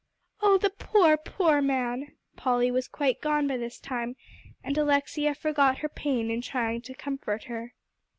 "Oh the poor, poor man!" Polly was quite gone by this time, and Alexia forgot her pain in trying to comfort her.